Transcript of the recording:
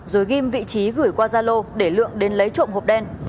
rồi ghim vị trí gửi qua gia lô để lượng đến lấy trộm hộp đen